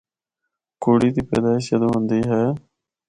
کڑی دی پیدائش جدوں ہوندی اے۔